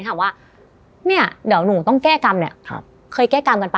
ถามว่าเนี่ยเดี๋ยวหนูต้องแก้กรรมเนี่ยเคยแก้กรรมกันป่